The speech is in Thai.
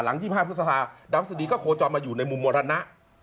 หลังที่๒๕พฤษภาดาวสุดีก็โขจรมาอยู่ในมุมมรณะ